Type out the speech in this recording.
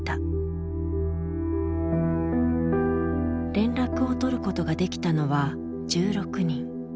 連絡を取ることができたのは１６人。